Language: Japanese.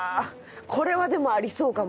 これはでもありそうかも。